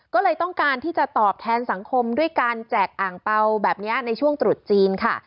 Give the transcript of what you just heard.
ก็เลยต้องการที่จะตอบแทนสังคมด้วยการแจกอ่างเปล่าแบบนี้ในช่วงตรุษจีนค่ะ